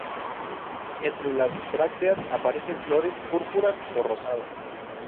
Entre las brácteas aparecen flores púrpuras o rosadas.